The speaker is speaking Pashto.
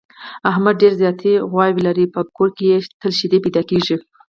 احمد ډېره ذاتي غوا لري، په کور کې یې تل شیدې پیدا کېږي.